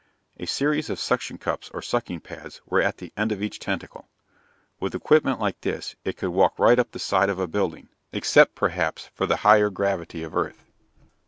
A series of suction cups or sucking pads were at the end of each tentacle. With equipment like this, it could walk right up the side of a building, except, perhaps, for the higher gravity of Earth.